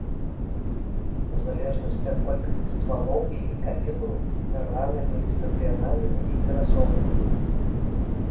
У залежнасці ад колькасці ствалоў і іх калібру, арганы былі стацыянарнымі і перасоўнымі.